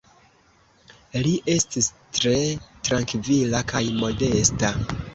Li estis tre trankvila kaj modesta.